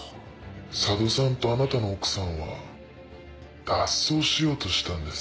佐渡さんとあなたの奥さんは脱走しようとしたんです。